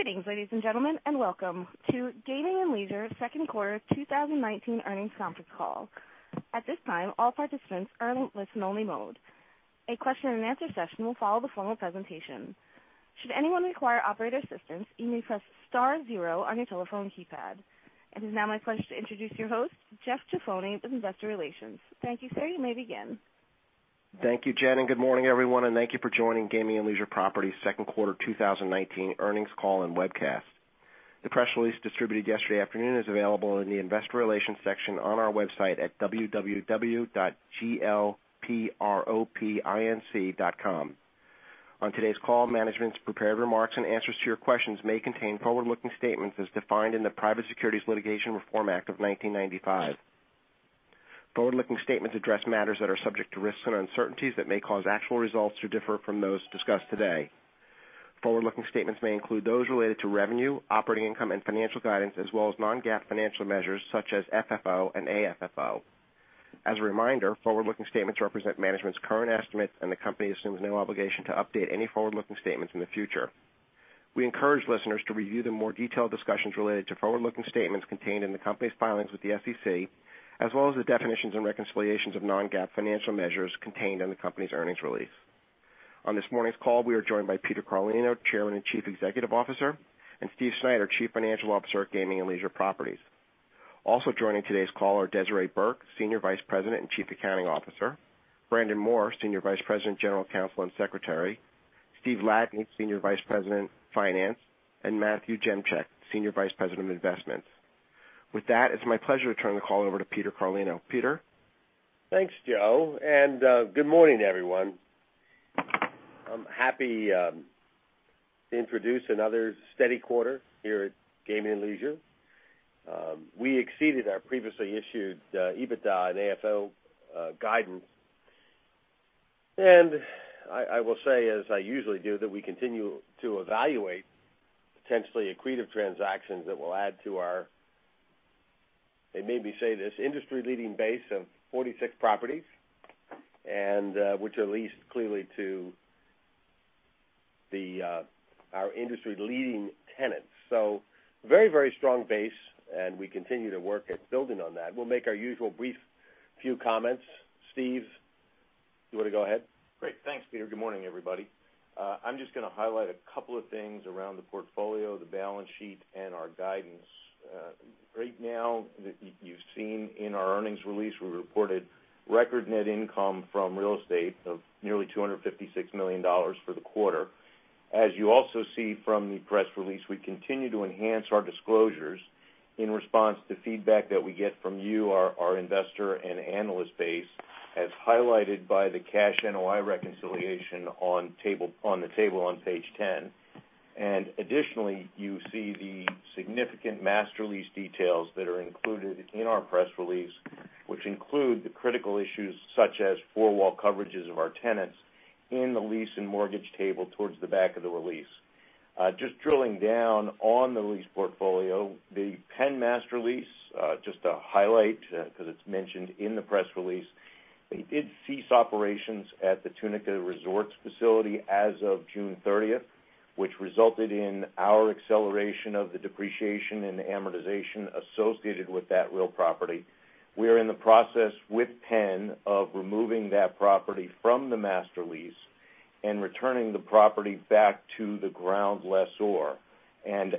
Greetings, ladies and gentlemen, and welcome to Gaming and Leisure second quarter 2019 earnings conference call. At this time, all participants are in listen only mode. A question and answer session will follow the formal presentation. Should anyone require operator assistance, you may press star zero on your telephone keypad. It is now my pleasure to introduce your host, Joseph Jaffoni with Investor Relations. Thank you, sir. You may begin. Thank you, Jen, and good morning, everyone, and thank you for joining Gaming and Leisure Properties second quarter 2019 earnings call and webcast. The press release distributed yesterday afternoon is available in the investor relations section on our website at www.glpropinc.com. On today's call, management's prepared remarks and answers to your questions may contain forward-looking statements as defined in the Private Securities Litigation Reform Act of 1995. Forward-looking statements address matters that are subject to risks and uncertainties that may cause actual results to differ from those discussed today. Forward-looking statements may include those related to revenue, operating income, and financial guidance, as well as non-GAAP financial measures such as FFO and AFFO. As a reminder, forward-looking statements represent management's current estimates, and the company assumes no obligation to update any forward-looking statements in the future. We encourage listeners to review the more detailed discussions related to forward-looking statements contained in the company's filings with the SEC, as well as the definitions and reconciliations of non-GAAP financial measures contained in the company's earnings release. On this morning's call, we are joined by Peter Carlino, Chairman and Chief Executive Officer, and Steve Snyder, Chief Financial Officer at Gaming and Leisure Properties. Also joining today's call are Desiree Burke, Senior Vice President and Chief Accounting Officer, Brandon Moore, Senior Vice President, General Counsel, and Secretary, Steve Ladany, Senior Vice President, Finance, and Matthew Demchyk, Senior Vice President of Investments. With that, it's my pleasure to turn the call over to Peter Carlino. Peter? Thanks, Joe. Good morning, everyone. I'm happy to introduce another steady quarter here at Gaming and Leisure. We exceeded our previously issued EBITDA and AFFO guidance. I will say, as I usually do, that we continue to evaluate potentially accretive transactions that will add to our, they made me say this, industry-leading base of 46 properties, which are leased clearly to our industry-leading tenants. Very strong base and we continue to work at building on that. We'll make our usual brief few comments. Steve, you want to go ahead? Great. Thanks, Peter. Good morning, everybody. I'm just going to highlight a couple of things around the portfolio, the balance sheet, and our guidance. Right now, you've seen in our earnings release, we reported record net income from real estate of nearly $256 million for the quarter. As you also see from the press release, we continue to enhance our disclosures in response to feedback that we get from you, our investor and analyst base, as highlighted by the cash NOI reconciliation on the table on page 10. Additionally, you see the significant master lease details that are included in our press release, which include the critical issues such as four-wall coverages of our tenants in the lease and mortgage table towards the back of the release. Just drilling down on the lease portfolio, the Penn master lease, just to highlight, because it's mentioned in the press release, they did cease operations at the Tunica Resorts facility as of June 30th, which resulted in our acceleration of the depreciation and amortization associated with that real property. We are in the process with Penn of removing that property from the master lease and returning the property back to the ground lessor.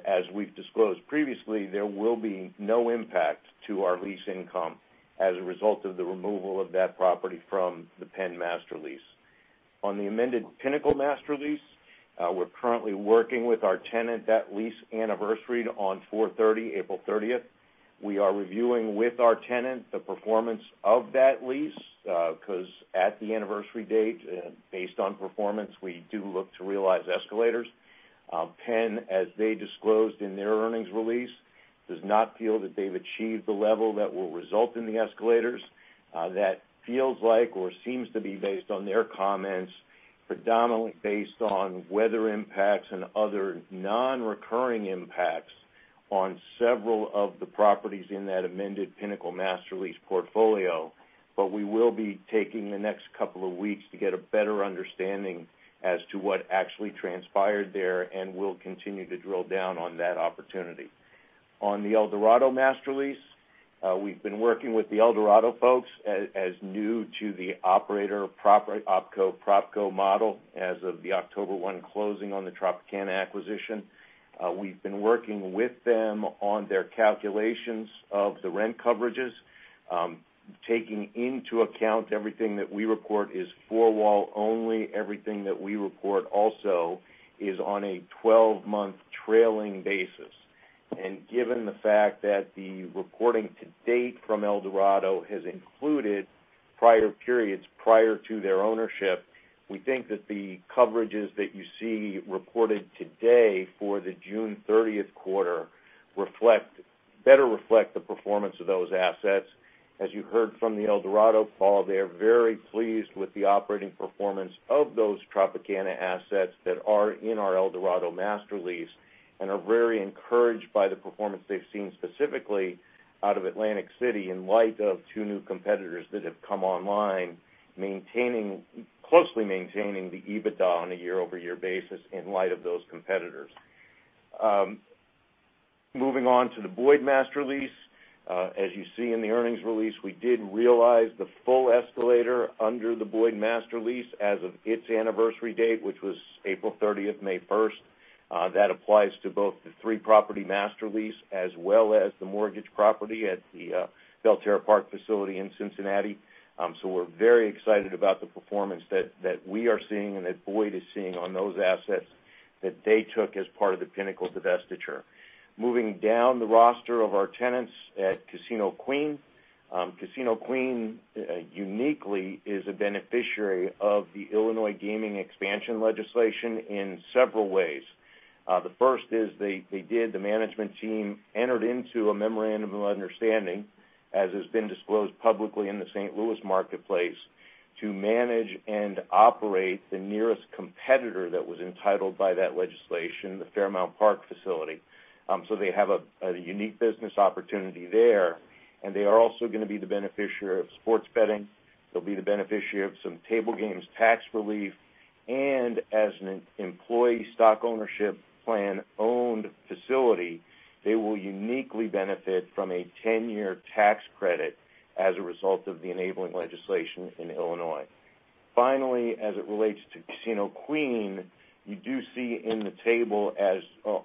As we've disclosed previously, there will be no impact to our lease income as a result of the removal of that property from the Penn master lease. On the amended Pinnacle master lease, we're currently working with our tenant. That lease anniversaried on April 30th. We are reviewing with our tenant the performance of that lease, because at the anniversary date, based on performance, we do look to realize escalators. Penn, as they disclosed in their earnings release, does not feel that they've achieved the level that will result in the escalators. That feels like or seems to be based on their comments, predominantly based on weather impacts and other non-recurring impacts on several of the properties in that amended Pinnacle master lease portfolio. We will be taking the next couple of weeks to get a better understanding as to what actually transpired there, and we'll continue to drill down on that opportunity. On the Eldorado master lease, we've been working with the Eldorado folks as new to the OpCo, PropCo model as of the October 1 closing on the Tropicana acquisition. We've been working with them on their calculations of the rent coverages, taking into account everything that we report is four-wall only. Everything that we report also is on a 12-month trailing basis. Given the fact that the reporting to date from Eldorado has included prior periods prior to their ownership, we think that the coverages that you see reported today for the June 30th quarter better reflect the performance of those assets. As you heard from the Eldorado call, they are very pleased with the operating performance of those Tropicana assets that are in our Eldorado master lease. Are very encouraged by the performance they've seen specifically out of Atlantic City, in light of two new competitors that have come online, closely maintaining the EBITDA on a year-over-year basis in light of those competitors. Moving on to the Boyd master lease. As you see in the earnings release, we did realize the full escalator under the Boyd master lease as of its anniversary date, which was April 30th, May 1st. That applies to both the three-property master lease as well as the mortgage property at the Belterra Park facility in Cincinnati. We're very excited about the performance that we are seeing and that Boyd is seeing on those assets that they took as part of the Pinnacle divestiture. Moving down the roster of our tenants at Casino Queen. Casino Queen uniquely is a beneficiary of the Illinois gaming expansion legislation in several ways. The first is they did, the management team entered into a memorandum of understanding, as has been disclosed publicly in the St. Louis marketplace, to manage and operate the nearest competitor that was entitled by that legislation, the Fairmount Park facility. They have a unique business opportunity there, and they are also going to be the beneficiary of sports betting. They'll be the beneficiary of some table games tax relief, and as an employee stock ownership plan-owned facility, they will uniquely benefit from a 10-year tax credit as a result of the enabling legislation in Illinois. Finally, as it relates to Casino Queen, you do see in the table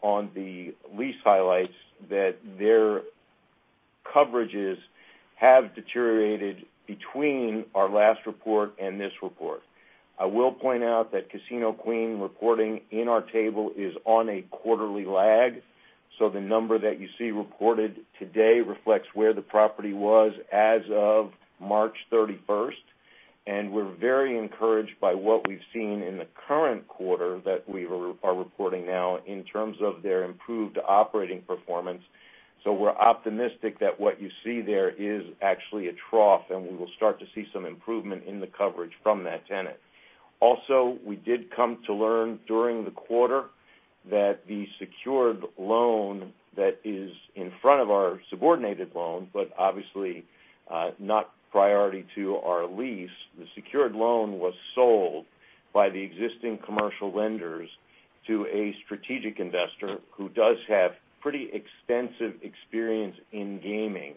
on the lease highlights that their coverages have deteriorated between our last report and this report. I will point out that Casino Queen reporting in our table is on a quarterly lag. The number that you see reported today reflects where the property was as of March 31. We're very encouraged by what we've seen in the current quarter that we are reporting now in terms of their improved operating performance. We're optimistic that what you see there is actually a trough, and we will start to see some improvement in the coverage from that tenant. Also, we did come to learn during the quarter that the secured loan that is in front of our subordinated loan, but obviously not priority to our lease, the secured loan was sold by the existing commercial lenders to a strategic investor who does have pretty extensive experience in gaming.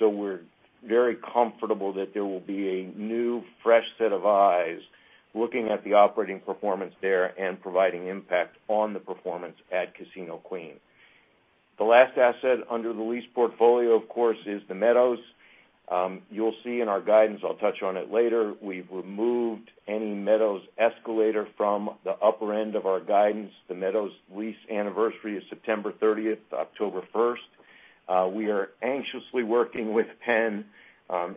We're very comfortable that there will be a new, fresh set of eyes looking at the operating performance there and providing impact on the performance at Casino Queen. The last asset under the lease portfolio, of course, is the Meadows. You'll see in our guidance, I'll touch on it later, we've removed any Meadows escalator from the upper end of our guidance. The Meadows lease anniversary is September 30th to October 1st. We are anxiously working with Penn,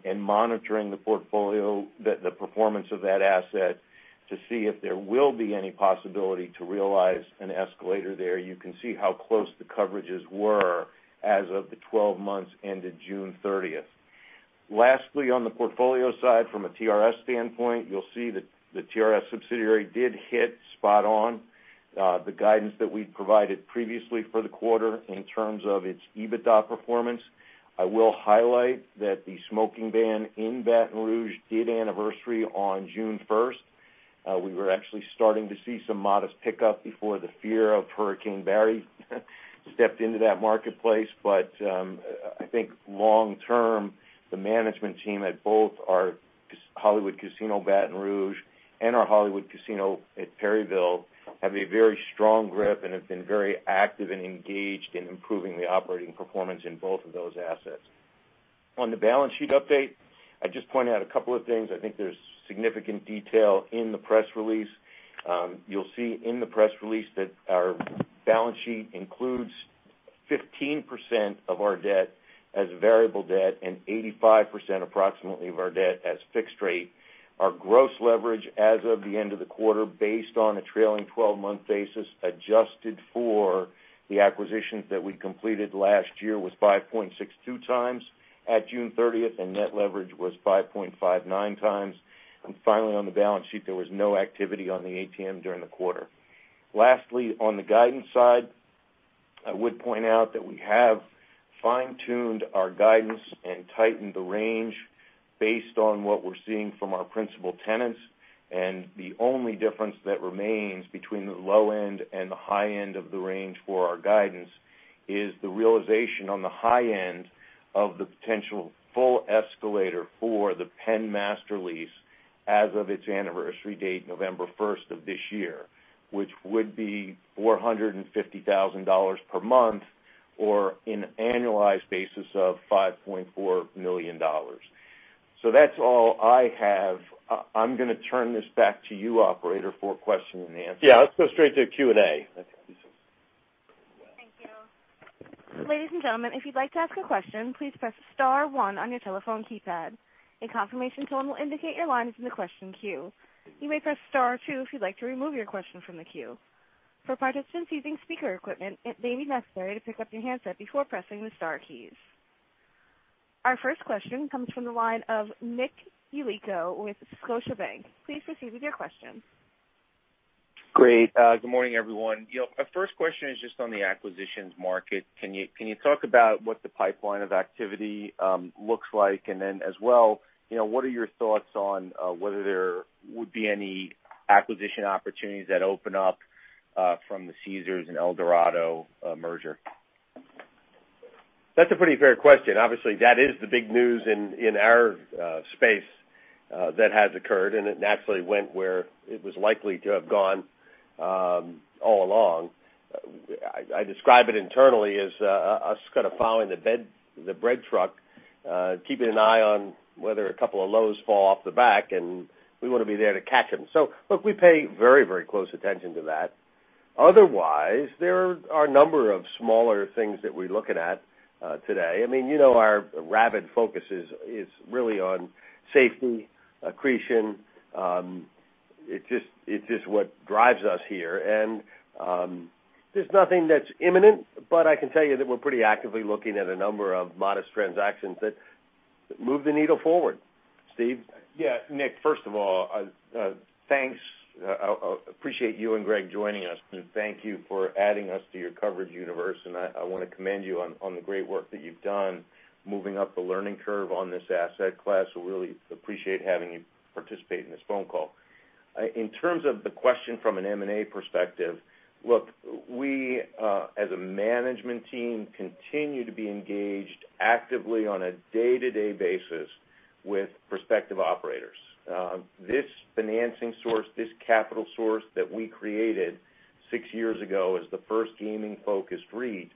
and monitoring the performance of that asset to see if there will be any possibility to realize an escalator there. You can see how close the coverages were as of the 12 months ended June 30th. Lastly, on the portfolio side, from a TRS standpoint, you'll see that the TRS subsidiary did hit spot on the guidance that we'd provided previously for the quarter in terms of its EBITDA performance. I will highlight that the smoking ban in Baton Rouge did anniversary on June 1st. We were actually starting to see some modest pickup before the fear of Hurricane Barry stepped into that marketplace. I think long term, the management team at both our Hollywood Casino Baton Rouge and our Hollywood Casino at Perryville have a very strong grip and have been very active and engaged in improving the operating performance in both of those assets. On the balance sheet update, I'd just point out a couple of things. I think there's significant detail in the press release. You'll see in the press release that our balance sheet includes 15% of our debt as variable debt and 85%, approximately, of our debt as fixed rate. Our gross leverage as of the end of the quarter, based on a trailing 12-month basis, adjusted for the acquisitions that we completed last year, was 5.62 times at June 30th. Net leverage was 5.59 times. Finally, on the balance sheet, there was no activity on the ATM during the quarter. Lastly, on the guidance side, I would point out that we have fine-tuned our guidance and tightened the range based on what we're seeing from our principal tenants. The only difference that remains between the low end and the high end of the range for our guidance is the realization on the high end of the potential full escalator for the Penn master lease as of its anniversary date, November 1st of this year, which would be $450,000 per month or an annualized basis of $5.4 million. That's all I have. I'm going to turn this back to you, operator, for question and answer. Yeah, let's go straight to Q&A. That's awesome. Thank you. Ladies and gentlemen, if you'd like to ask a question, please press *1 on your telephone keypad. A confirmation tone will indicate your line is in the question queue. You may press *2 if you'd like to remove your question from the queue. For participants using speaker equipment, it may be necessary to pick up your handset before pressing the star keys. Our first question comes from the line of Nick Yako with Scotiabank. Please proceed with your question. Great. Good morning, everyone. My first question is just on the acquisitions market. Can you talk about what the pipeline of activity looks like? Then as well, what are your thoughts on whether there would be any acquisition opportunities that open up from the Caesars and Eldorado merger? That's a pretty fair question. That is the big news in our space that has occurred. It naturally went where it was likely to have gone all along. I describe it internally as us kind of following the bread truck keeping an eye on whether a couple of loaves fall off the back. We want to be there to catch them. Look, we pay very close attention to that. Otherwise, there are a number of smaller things that we're looking at today. Our rabid focus is really on safety, accretion. It's just what drives us here. There's nothing that's imminent. I can tell you that we're pretty actively looking at a number of modest transactions that move the needle forward. Steve? Yeah. Nick, first of all, thanks. I appreciate you and Greg joining us, and thank you for adding us to your coverage universe, and I want to commend you on the great work that you've done moving up the learning curve on this asset class. We really appreciate having you participate in this phone call. In terms of the question from an M&A perspective, look, we, as a management team, continue to be engaged actively on a day-to-day basis with prospective operators. This financing source, this capital source that we created six years ago as the first gaming-focused REIT,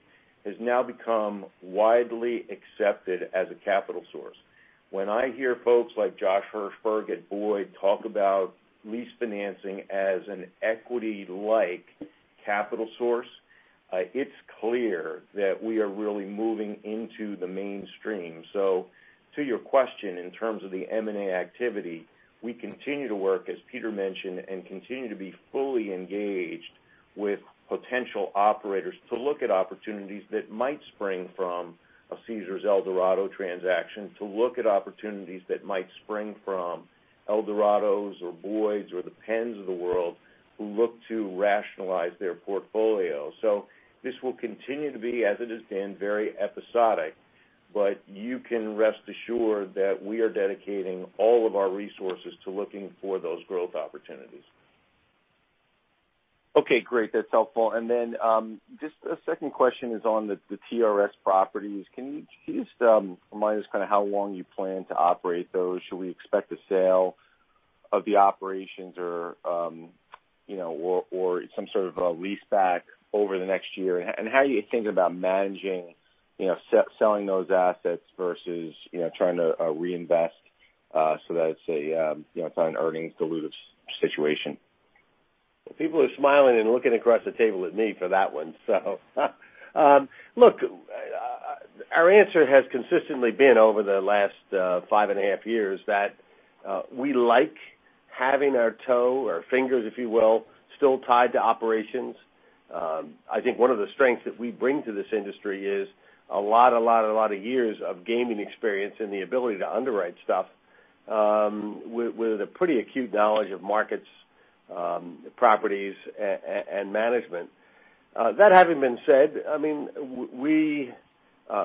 has now become widely accepted as a capital source. When I hear folks like Josh Hirsberg at Boyd talk about lease financing as an equity-like capital source, it's clear that we are really moving into the mainstream. To your question, in terms of the M&A activity, we continue to work, as Peter mentioned, and continue to be fully engaged with potential operators to look at opportunities that might spring from a Caesars-Eldorado transaction, to look at opportunities that might spring from Eldorado's or Boyd's or the Penn's of the world who look to rationalize their portfolio. This will continue to be, as it has been, very episodic, but you can rest assured that we are dedicating all of our resources to looking for those growth opportunities. Okay, great. That's helpful. Just a second question is on the TRS properties. Can you just remind us how long you plan to operate those? Should we expect a sale of the operations or some sort of a lease back over the next year? How are you thinking about managing selling those assets versus trying to reinvest, so that it's an earnings dilutive situation? People are smiling and looking across the table at me for that one. Our answer has consistently been over the last five and a half years that we like having our toe or fingers, if you will, still tied to operations. I think one of the strengths that we bring to this industry is a lot of years of gaming experience and the ability to underwrite stuff with a pretty acute knowledge of markets, properties, and management. That having been said, we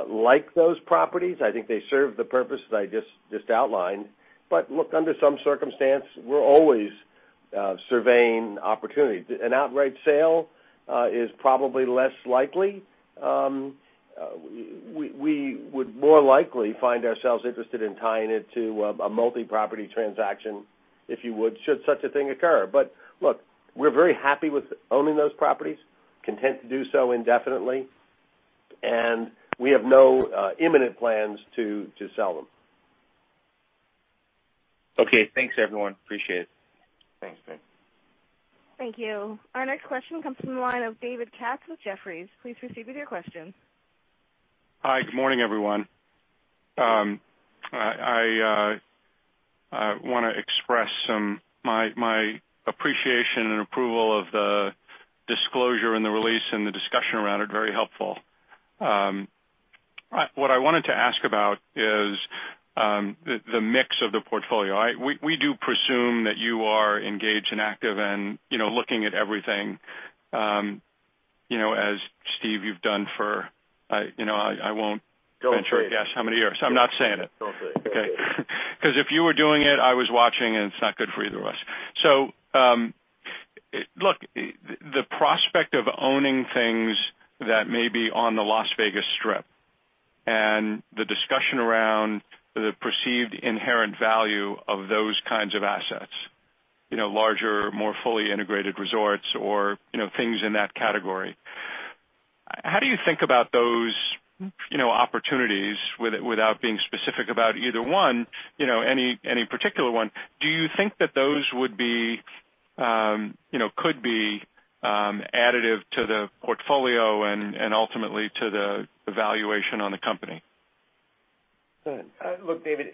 like those properties. I think they serve the purpose that I just outlined. Under some circumstance, we're always surveying opportunities. An outright sale is probably less likely. We would more likely find ourselves interested in tying it to a multi-property transaction, if you would, should such a thing occur. Look, we're very happy with owning those properties, content to do so indefinitely, and we have no imminent plans to sell them. Okay, thanks, everyone. Appreciate it. Thanks, Nick. Thank you. Our next question comes from the line of David Katz with Jefferies. Please proceed with your question. Hi. Good morning, everyone. I want to express my appreciation and approval of the disclosure and the release and the discussion around it. Very helpful. What I wanted to ask about is the mix of the portfolio. We do presume that you are engaged and active and looking at everything, as Steve, you've done for, I won't venture a guess how many years. I'm not saying it. Don't say it. Okay. Because if you were doing it, I was watching, and it's not good for either of us. The prospect of owning things that may be on the Las Vegas Strip and the discussion around the perceived inherent value of those kinds of assets, larger, more fully integrated resorts or things in that category, how do you think about those opportunities without being specific about either one, any particular one? Do you think that those could be additive to the portfolio and ultimately to the valuation on the company? Look, David,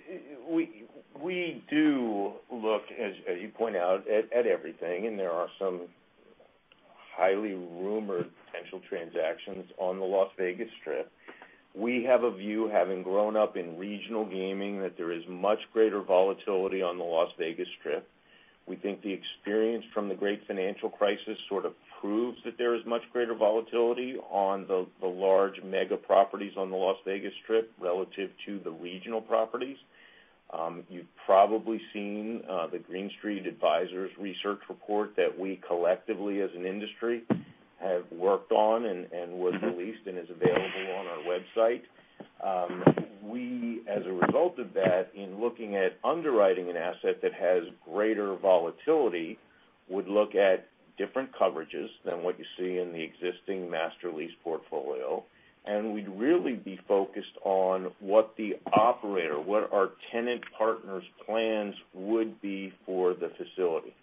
we do look, as you point out, at everything. There are some highly rumored potential transactions on the Las Vegas Strip. We have a view, having grown up in regional gaming, that there is much greater volatility on the Las Vegas Strip. We think the experience from the great financial crisis sort of proves that there is much greater volatility on the large mega properties on the Las Vegas Strip relative to the regional properties. You've probably seen the Green Street Advisors research report that we collectively as an industry have worked on and was released and is available on our website. We, as a result of that, in looking at underwriting an asset that has greater volatility, would look at different coverages than what you see in the existing master lease portfolio, and we'd really be focused on what the operator, what our tenant partners' plans would be for the facility.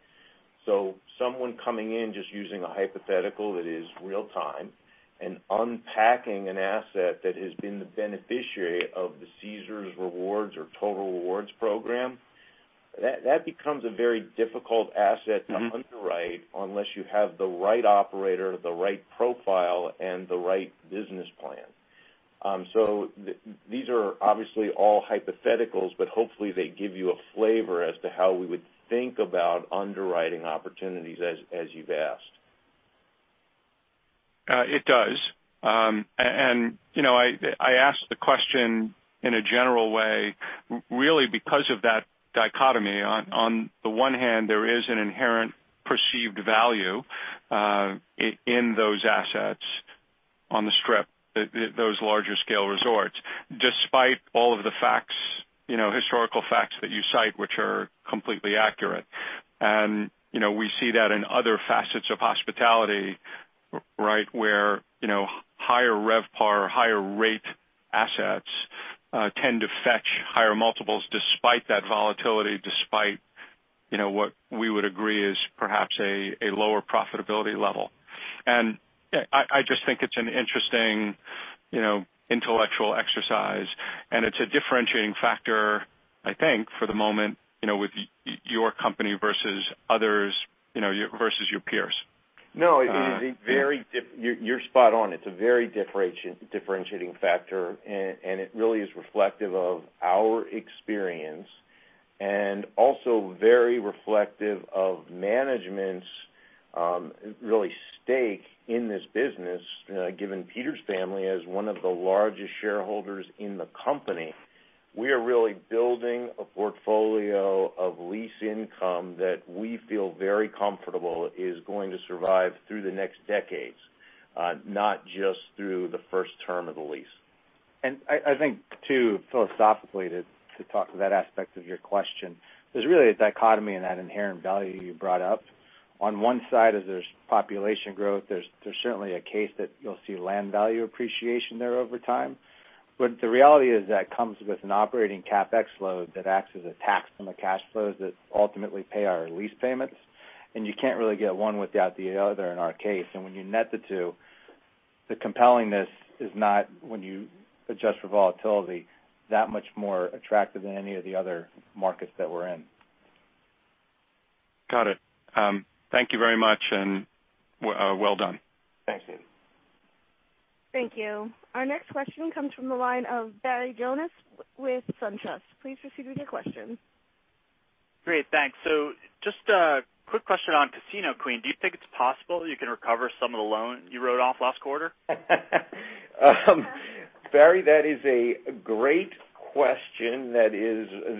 Someone coming in, just using a hypothetical that is real-time, and unpacking an asset that has been the beneficiary of the Caesars Rewards or Total Rewards program, that becomes a very difficult asset to underwrite unless you have the right operator, the right profile, and the right business plan. These are obviously all hypotheticals, but hopefully they give you a flavor as to how we would think about underwriting opportunities as you've asked. It does. I asked the question in a general way really because of that dichotomy. On the one hand, there is an inherent perceived value in those assets on the Strip, those larger scale resorts, despite all of the facts, historical facts that you cite, which are completely accurate. We see that in other facets of hospitality, where higher RevPAR, higher rate assets tend to fetch higher multiples despite that volatility, despite what we would agree is perhaps a lower profitability level. I just think it's an interesting intellectual exercise. It's a differentiating factor, I think, for the moment, with your company versus others, versus your peers. You're spot on. It's a very differentiating factor, and it really is reflective of our experience and also very reflective of management's stake in this business. Given Peter's family as one of the largest shareholders in the company, we are really building a portfolio of lease income that we feel very comfortable is going to survive through the next decades, not just through the first term of the lease. I think too, philosophically, to talk to that aspect of your question, there's really a dichotomy in that inherent value you brought up. On one side is there's population growth. There's certainly a case that you'll see land value appreciation there over time. The reality is that comes with an operating CapEx load that acts as a tax on the cash flows that ultimately pay our lease payments. You can't really get one without the other in our case. When you net the two, the compellingness is not, when you adjust for volatility, that much more attractive than any of the other markets that we're in. Got it. Thank you very much, and well done. Thanks, David. Thank you. Our next question comes from the line of Barry Jonas with SunTrust. Please proceed with your question. Great. Thanks. Just a quick question on Casino Queen, do you think it's possible you can recover some of the loan you wrote off last quarter? Barry, that is a great question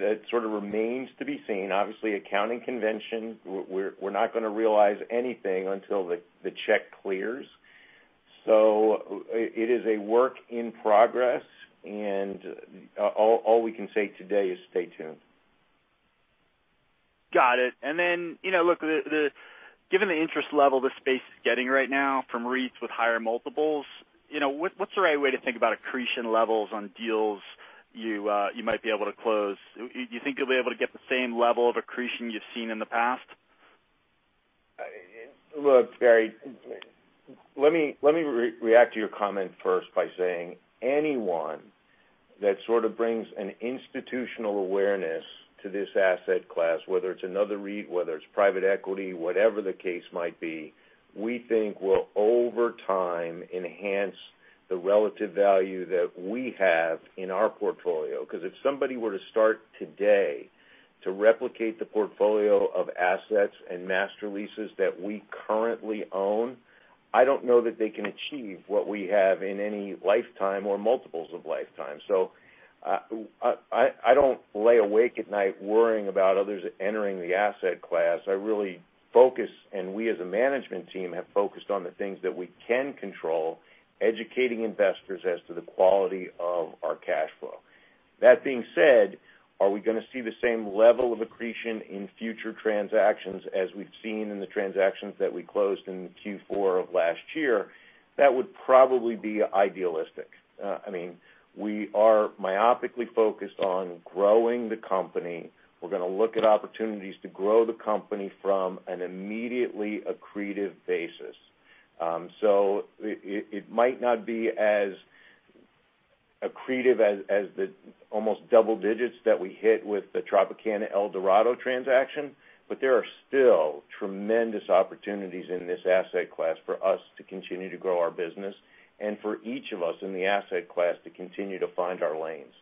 that sort of remains to be seen. Obviously, accounting convention, we're not going to realize anything until the check clears. It is a work in progress, and all we can say today is stay tuned. Got it. Given the interest level the space is getting right now from REITs with higher multiples, what's the right way to think about accretion levels on deals you might be able to close? Do you think you'll be able to get the same level of accretion you've seen in the past? Look, Barry, let me react to your comment first by saying anyone that sort of brings an institutional awareness to this asset class, whether it's another REIT, whether it's private equity, whatever the case might be, we think will over time enhance the relative value that we have in our portfolio. If somebody were to start today to replicate the portfolio of assets and master leases that we currently own, I don't know that they can achieve what we have in any lifetime or multiples of lifetimes. I don't lay awake at night worrying about others entering the asset class. I really focus, and we as a management team have focused on the things that we can control, educating investors as to the quality of our cash flow. That being said, are we going to see the same level of accretion in future transactions as we've seen in the transactions that we closed in Q4 of last year? That would probably be idealistic. We are myopically focused on growing the company. We're going to look at opportunities to grow the company from an immediately accretive basis. It might not be as accretive as the almost double digits that we hit with the Tropicana Eldorado transaction. There are still tremendous opportunities in this asset class for us to continue to grow our business and for each of us in the asset class to continue to find our lanes.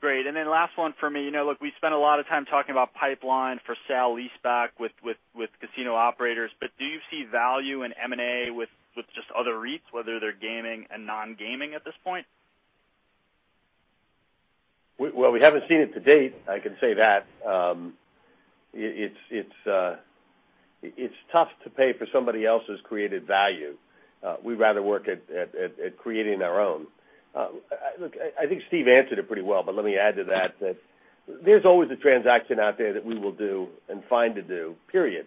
Great. Last one for me. Look, we spent a lot of time talking about pipeline for sale-leaseback with casino operators, but do you see value in M&A with just other REITs, whether they're gaming and non-gaming at this point? Well, we haven't seen it to date, I can say that. It's tough to pay for somebody else's accreted value. We'd rather work at creating our own. Look, I think Steve answered it pretty well, but let me add to that there's always a transaction out there that we will do and find to do, period.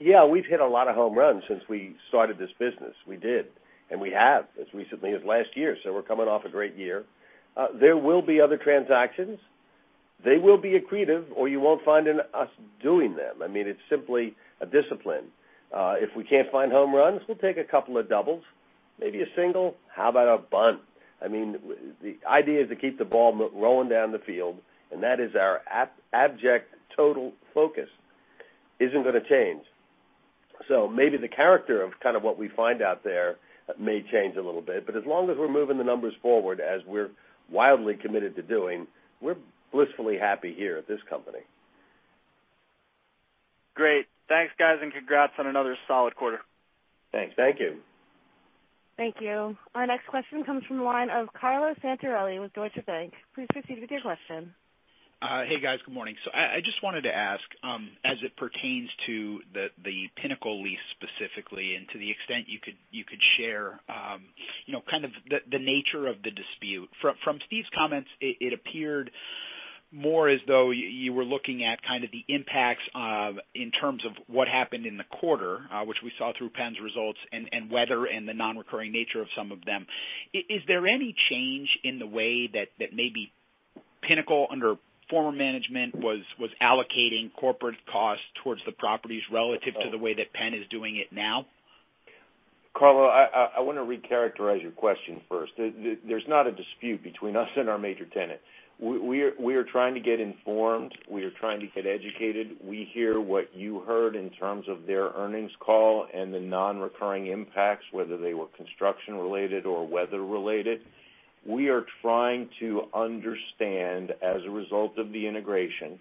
Yeah, we've hit a lot of home runs since we started this business. We did, and we have, as recently as last year, so we're coming off a great year. There will be other transactions. They will be accretive, or you won't find us doing them. It's simply a discipline. If we can't find home runs, we'll take a couple of doubles, maybe a single. How about a bunt? The idea is to keep the ball rolling down the field, and that is our abject total focus. Isn't going to change. Maybe the character of kind of what we find out there may change a little bit, but as long as we're moving the numbers forward, as we're wildly committed to doing, we're blissfully happy here at this company. Great. Thanks, guys, and congrats on another solid quarter. Thanks. Thank you. Thank you. Our next question comes from the line of Carlo Santarelli with Deutsche Bank. Please proceed with your question. Hey, guys. Good morning. I just wanted to ask, as it pertains to the Pinnacle lease specifically, and to the extent you could share kind of the nature of the dispute. From Steve's comments, it appeared more as though you were looking at kind of the impacts of, in terms of what happened in the quarter, which we saw through Penn's results and weather and the non-recurring nature of some of them. Is there any change in the way that maybe Pinnacle under former management was allocating corporate costs towards the properties relative to the way that Penn is doing it now? Carlo, I want to recharacterize your question first. There's not a dispute between us and our major tenant. We are trying to get informed. We are trying to get educated. We hear what you heard in terms of their earnings call and the non-recurring impacts, whether they were construction-related or weather-related. We are trying to understand, as a result of the integration,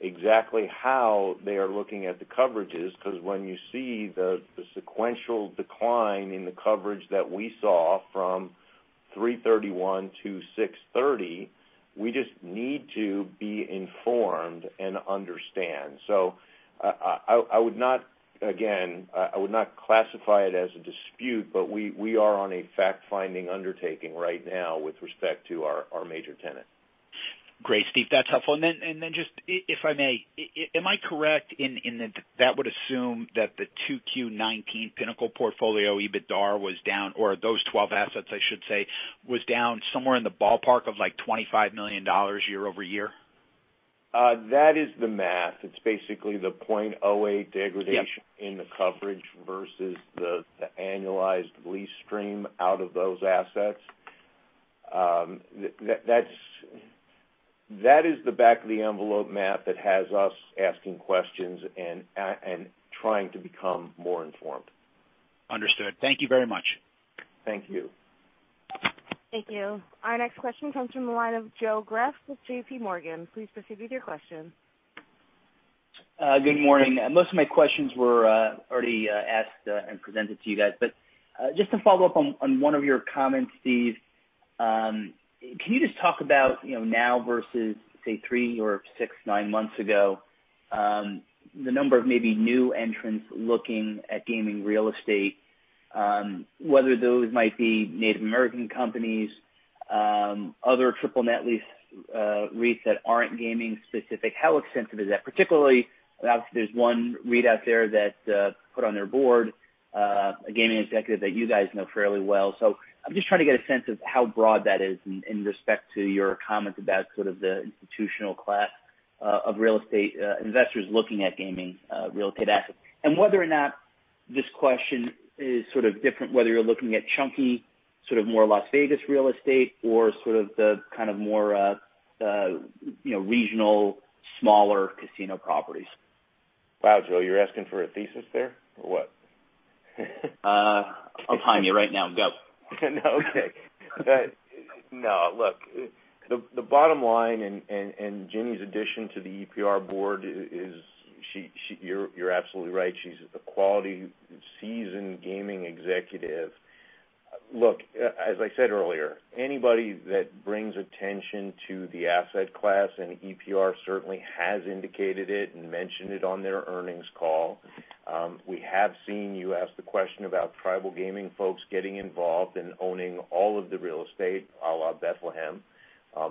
exactly how they are looking at the coverages, because when you see the sequential decline in the coverage that we saw from 3/31 to 6/30, we just need to be informed and understand. I would not, again, classify it as a dispute, but we are on a fact-finding undertaking right now with respect to our major tenant. Great, Steve. That's helpful. Then just, if I may, am I correct in that would assume that the 2Q19 Pinnacle portfolio EBITDA was down, or those 12 assets, I should say, was down somewhere in the ballpark of like $25 million year-over-year? That is the math. It's basically the $0.08 degradation. Yep in the coverage versus the annualized lease stream out of those assets. That is the back-of-the-envelope map that has us asking questions and trying to become more informed. Understood. Thank you very much. Thank you. Thank you. Our next question comes from the line of Joe Greff with JPMorgan. Please proceed with your question. Good morning. Most of my questions were already asked and presented to you guys. Just to follow up on one of your comments, Steve, can you just talk about now versus, say, three or six, nine months ago, the number of maybe new entrants looking at gaming real estate, whether those might be Native American companies, other triple net lease REITs that aren't gaming specific, how extensive is that? Particularly, obviously, there's one REIT out there that put on their board a gaming executive that you guys know fairly well. I'm just trying to get a sense of how broad that is in respect to your comments about sort of the institutional class of real estate investors looking at gaming real estate assets. Whether or not this question is sort of different, whether you're looking at chunky, sort of more Las Vegas real estate or sort of the kind of more regional, smaller casino properties. Wow, Joe, you're asking for a thesis there or what? I'm timing you right now. Go. No. Okay. No. Look, the bottom line and Ginny's addition to the EPR board is, you're absolutely right, she's a quality, seasoned gaming executive. Look, as I said earlier, anybody that brings attention to the asset class, EPR certainly has indicated it and mentioned it on their earnings call. We have seen you ask the question about tribal gaming folks getting involved in owning all of the real estate a la Bethlehem.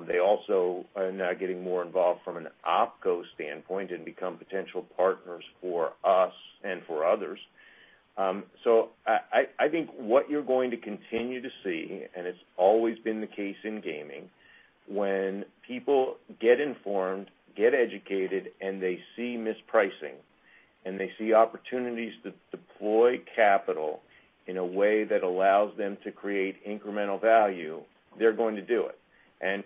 They also are now getting more involved from an OpCo standpoint and become potential partners for us and for others. I think what you're going to continue to see, and it's always been the case in gaming, when people get informed, get educated, and they see mispricing and they see opportunities to deploy capital in a way that allows them to create incremental value, they're going to do it.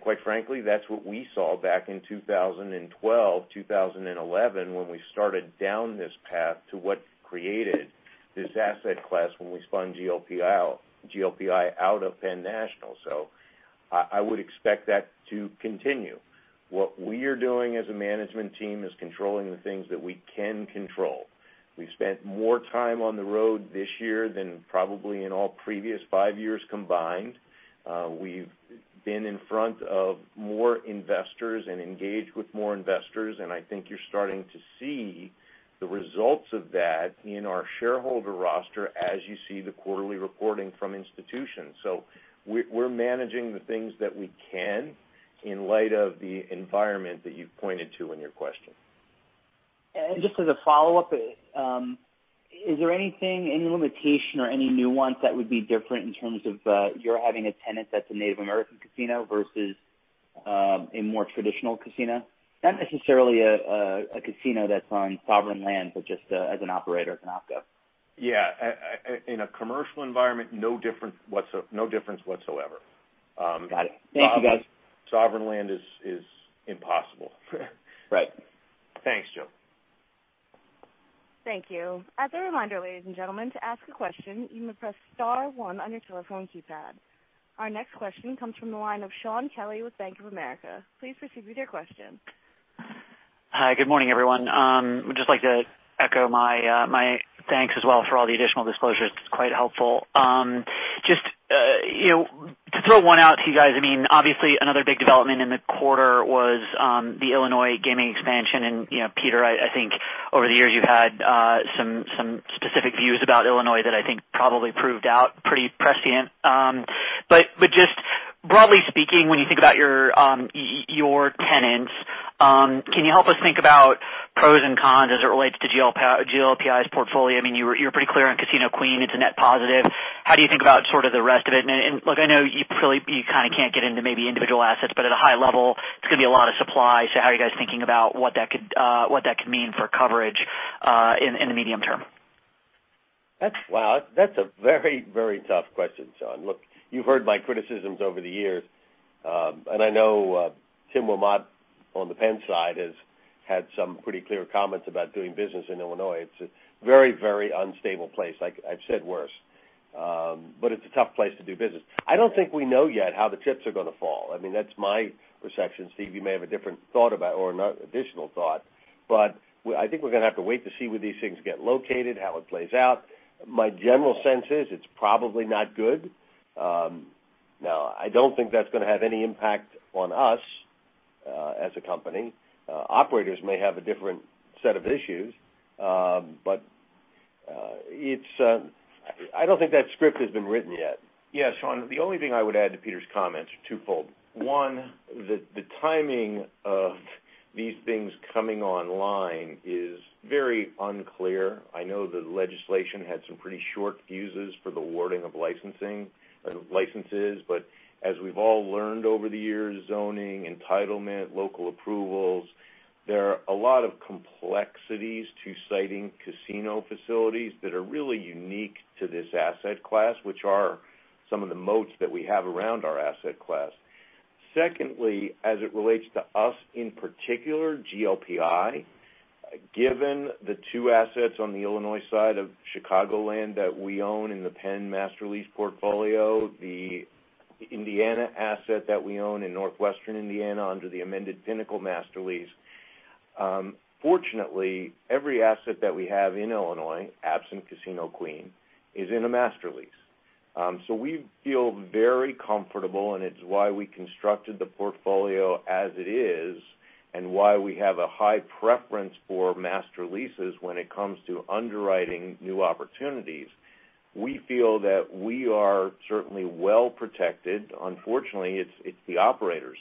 Quite frankly, that's what we saw back in 2012, 2011, when we started down this path to what created this asset class when we spun GLPI out of Penn National. I would expect that to continue. What we are doing as a management team is controlling the things that we can control. We've spent more time on the road this year than probably in all previous five years combined. We've been in front of more investors and engaged with more investors, and I think you're starting to see the results of that in our shareholder roster as you see the quarterly reporting from institutions. We're managing the things that we can in light of the environment that you've pointed to in your question. Just as a follow-up, is there anything, any limitation or any nuance that would be different in terms of your having a tenant that's a Native American casino versus a more traditional casino? Not necessarily a casino that's on sovereign land, but just as an operator, as an OpCo. Yeah. In a commercial environment, no difference whatsoever. Got it. Thank you, guys. Sovereign land is impossible. Right. Thanks, Joe. Thank you. As a reminder, ladies and gentlemen, to ask a question, you may press star one on your telephone keypad. Our next question comes from the line of Shaun Kelley with Bank of America. Please proceed with your question. Hi. Good morning, everyone. Would just like to echo my thanks as well for all the additional disclosures. It's quite helpful. Just to throw one out to you guys, obviously, another big development in the quarter was the Illinois gaming expansion. Peter, I think over the years, you've had some specific views about Illinois that I think probably proved out pretty prescient. Just broadly speaking, when you think about your tenants, can you help us think about pros and cons as it relates to GLPI's portfolio? You're pretty clear on Casino Queen, it's a net positive. How do you think about the rest of it? Look, I know you kind of can't get into maybe individual assets, but at a high level, it's going to be a lot of supply. How are you guys thinking about what that could mean for coverage in the medium term? Wow, that's a very, very tough question, Shaun. Look, you've heard my criticisms over the years. I know Timothy Wilmott on the Penn side has had some pretty clear comments about doing business in Illinois. It's a very, very unstable place. I've said worse. It's a tough place to do business. I don't think we know yet how the chips are going to fall. That's my perception. Steve, you may have a different thought about it or an additional thought. I think we're going to have to wait to see where these things get located, how it plays out. My general sense is it's probably not good. I don't think that's going to have any impact on us, as a company. Operators may have a different set of issues. I don't think that script has been written yet. Yeah, Shaun, the only thing I would add to Peter's comments are twofold. One, the timing of these things coming online is very unclear. I know the legislation had some pretty short fuses for the awarding of licenses. As we've all learned over the years, zoning, entitlement, local approvals, there are a lot of complexities to siting casino facilities that are really unique to this asset class, which are some of the moats that we have around our asset class. Secondly, as it relates to us, in particular GLPI, given the two assets on the Illinois side of Chicagoland that we own in the Penn master lease portfolio, the Indiana asset that we own in Northwestern Indiana under the amended Pinnacle master lease. Fortunately, every asset that we have in Illinois, absent Casino Queen, is in a master lease. We feel very comfortable, and it's why we constructed the portfolio as it is and why we have a high preference for master leases when it comes to underwriting new opportunities. We feel that we are certainly well-protected. Unfortunately, it's the operators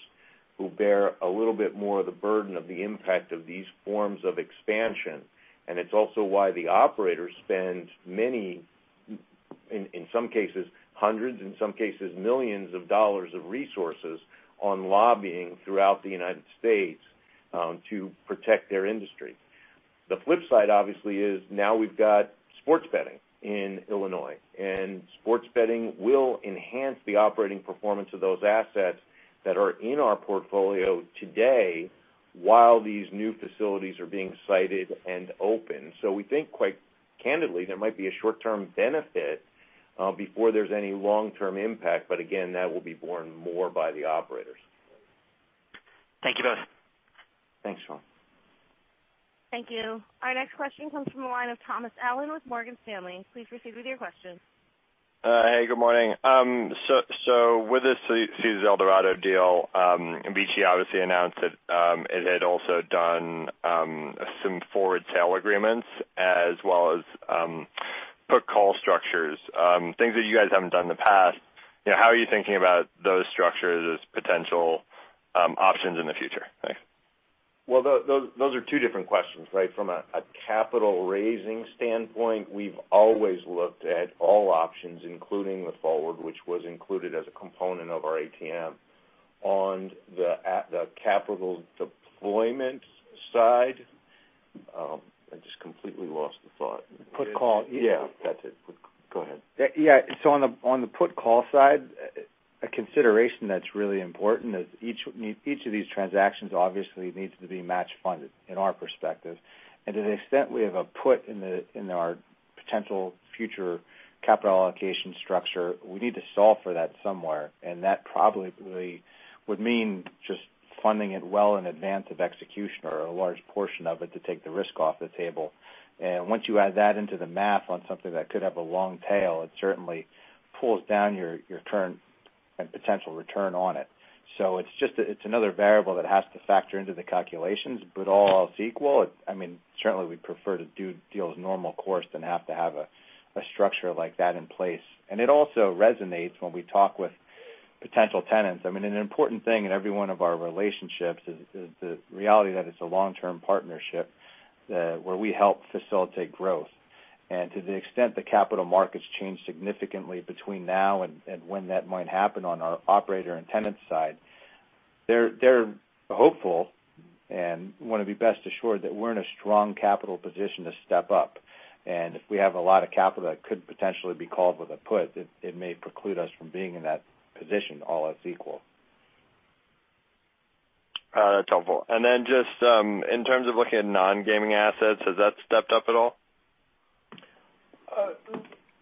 who bear a little bit more of the burden of the impact of these forms of expansion, and it's also why the operators spend many, in some cases, hundreds, in some cases, millions of dollars of resources on lobbying throughout the U.S. to protect their industry. The flip side, obviously, is now we've got sports betting in Illinois, and sports betting will enhance the operating performance of those assets that are in our portfolio today while these new facilities are being sited and opened. We think, quite candidly, there might be a short-term benefit before there's any long-term impact. Again, that will be borne more by the operators. Thank you both. Thanks, Shaun. Thank you. Our next question comes from the line of Thomas Allen with Morgan Stanley. Please proceed with your question. Hey, good morning. With this Caesars Eldorado deal, Vici obviously announced that it had also done some forward sale agreements as well as put call structures, things that you guys haven't done in the past. How are you thinking about those structures as potential options in the future? Thanks. Well, those are two different questions, right? From a capital raising standpoint, we've always looked at all options, including the forward, which was included as a component of our ATM. On the capital deployment side I just completely lost the thought. put call. Yeah, that's it. Go ahead. Yeah. On the put call side, a consideration that's really important is each of these transactions obviously needs to be match funded, in our perspective. To the extent we have a put in our potential future capital allocation structure, we need to solve for that somewhere, and that probably would mean just funding it well in advance of execution or a large portion of it to take the risk off the table. Once you add that into the math on something that could have a long tail, it certainly pulls down your return and potential return on it. It's another variable that has to factor into the calculations, but all else equal, certainly we'd prefer to do deals normal course than have to have a structure like that in place. It also resonates when we talk with potential tenants. An important thing in every one of our relationships is the reality that it's a long-term partnership, where we help facilitate growth. To the extent the capital markets change significantly between now and when that might happen on our operator and tenant side, they're hopeful and want to be best assured that we're in a strong capital position to step up. If we have a lot of capital that could potentially be called with a put, it may preclude us from being in that position, all else equal. That's helpful. Then just in terms of looking at non-gaming assets, has that stepped up at all?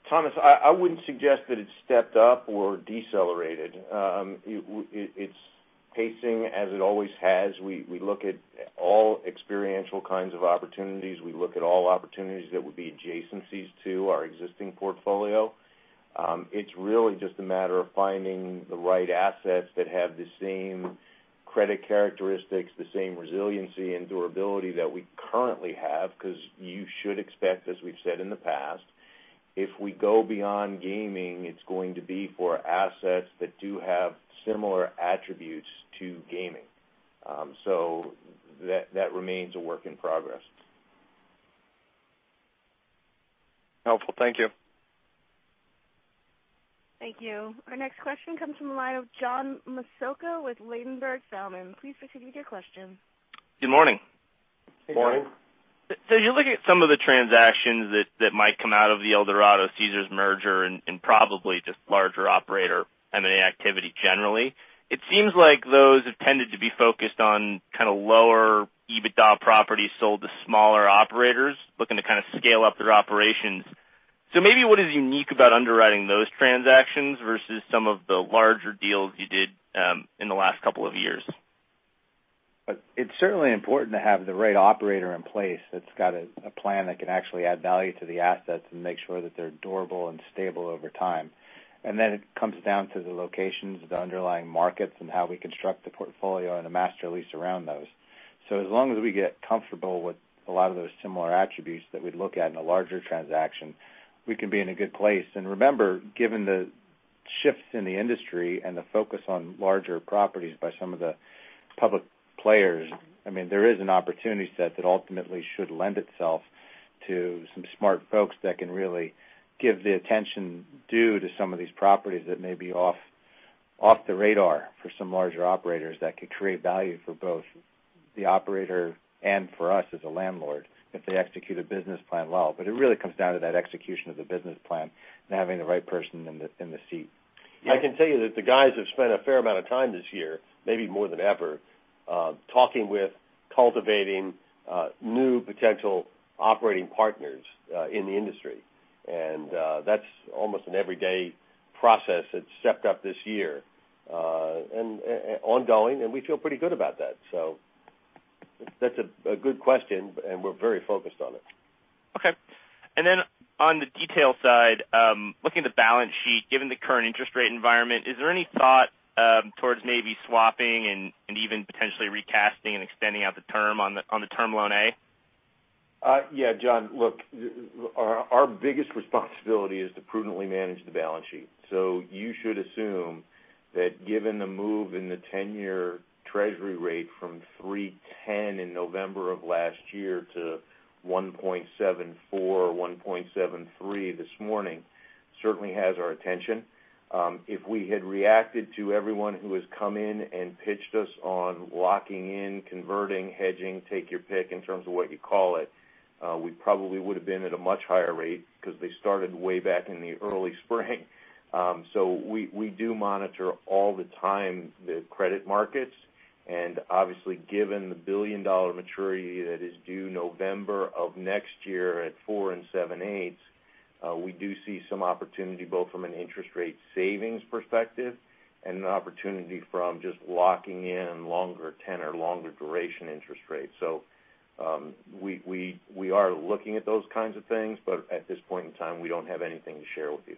Thomas, I wouldn't suggest that it stepped up or decelerated. It's pacing as it always has. We look at all experiential kinds of opportunities. We look at all opportunities that would be adjacencies to our existing portfolio. It's really just a matter of finding the right assets that have the same credit characteristics, the same resiliency, and durability that we currently have, because you should expect, as we've said in the past, if we go beyond gaming, it's going to be for assets that do have similar attributes to gaming. That remains a work in progress. Helpful. Thank you. Thank you. Our next question comes from the line of John Massocca with Ladenburg Thalmann. Please proceed with your question. Good morning. Good morning. As you look at some of the transactions that might come out of the Eldorado-Caesars merger and probably just larger operator M&A activity generally, it seems like those have tended to be focused on kind of lower EBITDA properties sold to smaller operators looking to kind of scale up their operations. Maybe what is unique about underwriting those transactions versus some of the larger deals you did in the last couple of years? It's certainly important to have the right operator in place that's got a plan that can actually add value to the assets and make sure that they're durable and stable over time. It comes down to the locations, the underlying markets, and how we construct the portfolio and the master lease around those. As long as we get comfortable with a lot of those similar attributes that we'd look at in a larger transaction, we can be in a good place. Remember, given the shifts in the industry and the focus on larger properties by some of the public players, there is an opportunity set that ultimately should lend itself to some smart folks that can really give the attention due to some of these properties that may be off the radar for some larger operators. That could create value for both the operator and for us as a landlord if they execute a business plan well. It really comes down to that execution of the business plan and having the right person in the seat. I can tell you that the guys have spent a fair amount of time this year, maybe more than ever, talking with cultivating new potential operating partners in the industry, and that's almost an everyday process that's stepped up this year, and ongoing, and we feel pretty good about that. That's a good question, and we're very focused on it. Okay. Then on the detail side, looking at the balance sheet, given the current interest rate environment, is there any thought towards maybe swapping and even potentially recasting and extending out the term on the Term Loan A? Yeah, John. Look, our biggest responsibility is to prudently manage the balance sheet. You should assume that given the move in the 10-year Treasury rate from 3.10 in November of last year to 1.74, or 1.73 this morning, certainly has our attention. If we had reacted to everyone who has come in and pitched us on locking in, converting, hedging, take your pick in terms of what you call it, we probably would've been at a much higher rate because they started way back in the early spring. We do monitor all the time the credit markets, and obviously, given the $1 billion maturity that is due November of next year at four and seven eights, we do see some opportunity, both from an interest rate savings perspective and an opportunity from just locking in longer term or longer duration interest rates. We are looking at those kinds of things, but at this point in time, we don't have anything to share with you.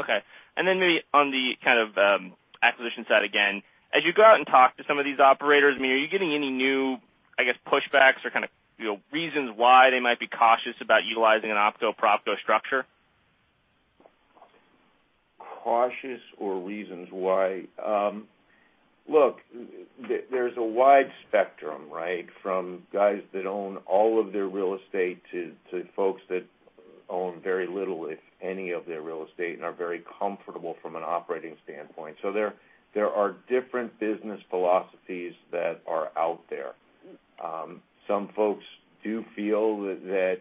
Okay. Then maybe on the kind of acquisition side again, as you go out and talk to some of these operators, are you getting any new pushbacks or kind of reasons why they might be cautious about utilizing an OpCo/PropCo structure? Cautious or reasons why? Look, there's a wide spectrum, right, from guys that own all of their real estate to folks that own very little, if any, of their real estate and are very comfortable from an operating standpoint. There are different business philosophies that are out there. Some folks do feel that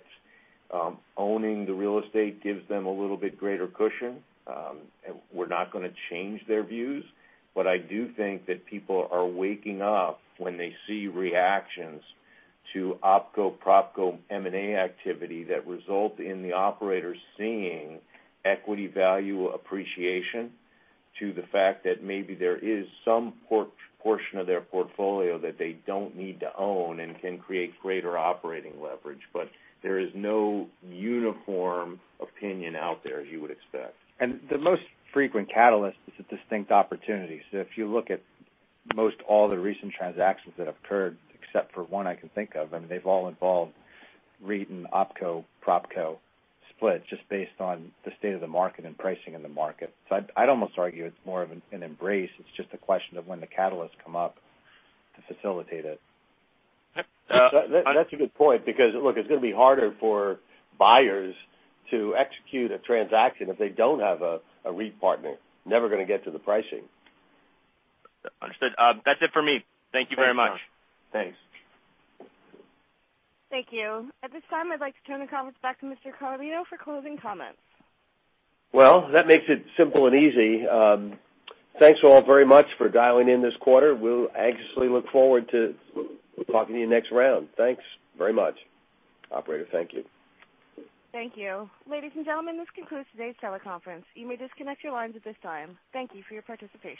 owning the real estate gives them a little bit greater cushion. We're not going to change their views, but I do think that people are waking up when they see reactions to OpCo/PropCo M&A activity that result in the operators seeing equity value appreciation to the fact that maybe there is some portion of their portfolio that they don't need to own and can create greater operating leverage. There is no uniform opinion out there, as you would expect. The most frequent catalyst is a distinct opportunity. If you look at most all the recent transactions that have occurred, except for one I can think of, they've all involved REIT and OpCo/PropCo splits just based on the state of the market and pricing in the market. I'd almost argue it's more of an embrace. It's just a question of when the catalysts come up to facilitate it. That's a good point because, look, it's going to be harder for buyers to execute a transaction if they don't have a REIT partner. Never going to get to the pricing. Understood. That's it for me. Thank you very much. Thanks, John. Thanks. Thank you. At this time, I'd like to turn the conference back to Mr. Carlino for closing comments. Well, that makes it simple and easy. Thanks all very much for dialing in this quarter. We'll anxiously look forward to talking to you next round. Thanks very much. Operator, thank you. Thank you. Ladies and gentlemen, this concludes today's teleconference. You may disconnect your lines at this time. Thank you for your participation.